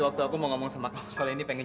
wah buah anggur aku suka banget